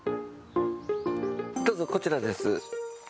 どうぞ、こちらです。